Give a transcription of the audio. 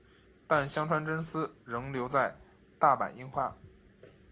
但香川真司仍留在大阪樱花。